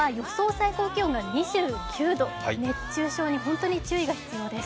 最高気温が２９度、熱中症に本当に注意が必要です。